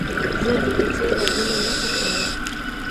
زه د کوڅې غږونه نه خوښوم.